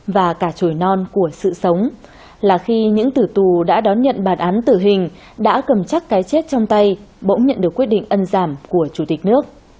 và cả trồi non của sự sống là khi những tử tù đã đón nhận bản án tử hình đã cầm chắc cái chết trong tay bỗng nhận được quyết định ân giảm của chủ tịch nước